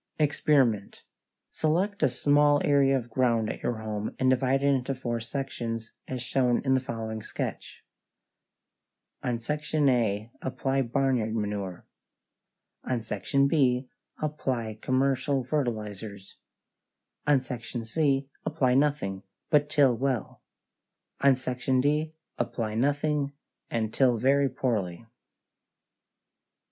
=EXPERIMENT= Select a small area of ground at your home and divide it into four sections, as shown in the following sketch: On Section A apply barnyard manure; on Section B apply commercial fertilizers; on Section C apply nothing, but till well; on Section D apply nothing, and till very poorly.